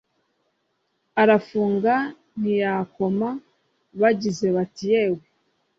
Arafunga ntiyakoma Bagize bati "yewe!"